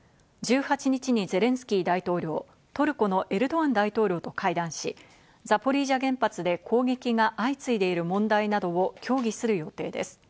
１８日にゼレンスキー大統領、トルコのエルドアン大統領と会談し、ザポリージャ原発で攻撃が相次いでいる問題などを協議する予定です。